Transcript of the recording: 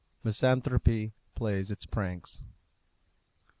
MISANTHROPY PLAYS ITS PRANKS.